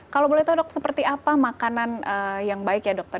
kalau boleh tahu dok seperti apa makanan yang baik ya dokter